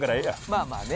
まあまあね。